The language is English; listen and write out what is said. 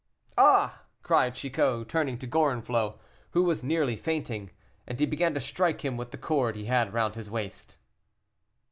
"Ah!" cried Chicot, turning to Gorenflot, who was nearly fainting, and he began to strike him with the cord he had round his waist.